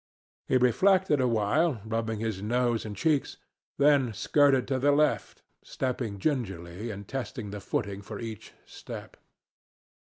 He reflected awhile, rubbing his nose and cheeks, then skirted to the left, stepping gingerly and testing the footing for each step.